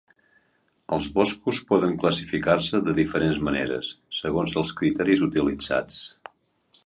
Els boscos poden classificar-se de diferents maneres, segons els criteris utilitzats.